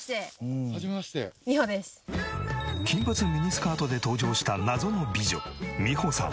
金髪ミニスカートで登場した謎の美女みほさん。